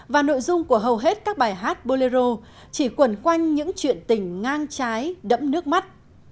và nội dung của hầu hết các bài hát bolero chỉ quẩn quanh những chuyện tình ngang trái đẫm nước mắt